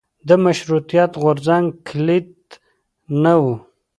د مشروطیت غورځنګ کلیت نه و.